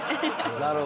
なるほどね。